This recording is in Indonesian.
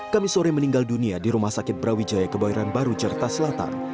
kami sore meninggal dunia di rumah sakit brawijaya kebairan baru jerta selatan